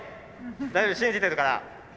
大丈夫信じてるから。